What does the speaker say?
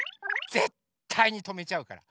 ぜったいにとめちゃうから。